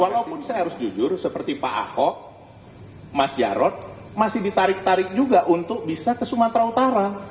walaupun saya harus jujur seperti pak ahok mas jarod masih ditarik tarik juga untuk bisa ke sumatera utara